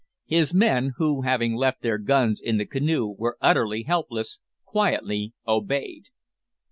His men, who, having left their guns in the canoe, were utterly helpless, quietly obeyed.